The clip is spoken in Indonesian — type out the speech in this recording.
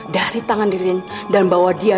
dari tangan dirinya dan bawa dia